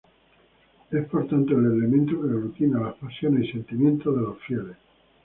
Es por tanto el elemento que aglutina las pasiones y sentimientos de los fieles.